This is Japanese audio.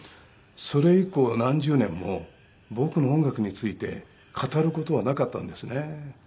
それ以降何十年も僕の音楽について語る事はなかったんですね。